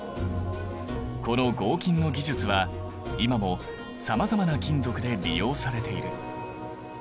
この合金の技術は今もさまざまな金属で利用されている。